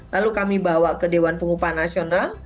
lalu kami bawa ke dewan pengupahan nasional